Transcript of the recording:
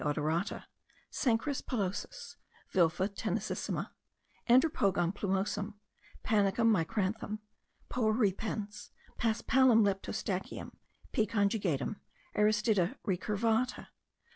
odorata, Cenchrus pilosus, Vilfa tenacissima, Andropogon plumosum, Panicum micranthum, Poa repens, Paspalum leptostachyum, P. conjugatum, Aristida recurvata.